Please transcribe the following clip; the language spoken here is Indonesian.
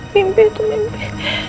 mimpi itu mimpi